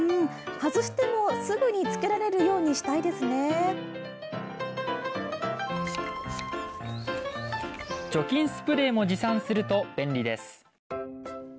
外してもすぐにつけられるようにしたいですね除菌スプレーも持参すると便利です